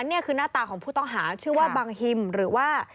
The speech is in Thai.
นี่คือหน้าตาของผู้ต้องหาชื่อว่าบังฮิมหรือว่า